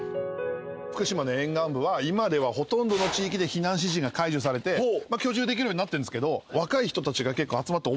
福島の沿岸部は今ではほとんどの地域で避難指示が解除されて居住できるようになってるんですけど。